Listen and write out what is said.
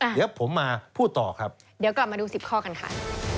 เดี๋ยวผมมาพูดต่อครับเดี๋ยวกลับมาดู๑๐ข้อกันค่ะ